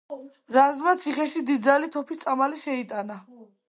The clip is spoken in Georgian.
რაზმმა ციხეში დიდძალი თოფის წამალი შეიტანა.